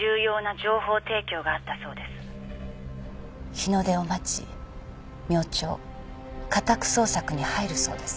日の出を待ち明朝家宅捜索に入るそうです。